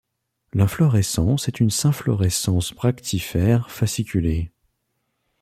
L'inflorescence est une synflorescence bractifère fasciculée.